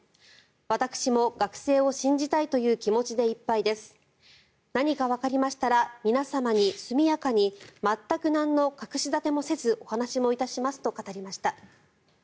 私も学生を信じたいという気持ちでいっぱいです何かわかりましたら皆様に速やかに全くなんの隠し立てもせずお話も致しますと語りました。